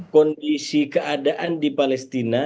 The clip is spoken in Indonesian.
kondisi keadaan di palestina